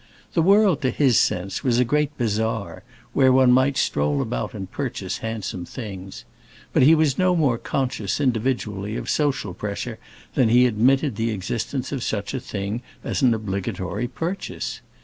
The world, to his sense, was a great bazaar, where one might stroll about and purchase handsome things; but he was no more conscious, individually, of social pressure than he admitted the existence of such a thing as an obligatory purchase.